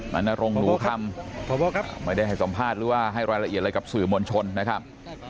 รณรงคลูคำไม่ได้ให้สัมภาษณ์หรือว่าให้รายละเอียดอะไรกับสื่อมวลชนนะครับ